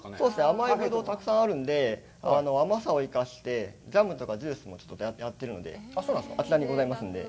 甘いぶどうがたくさんあるんで、甘さを生かして、ジャムとかジュースもやってるので、あちらにございますので。